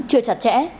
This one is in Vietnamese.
chưa chặt chẽ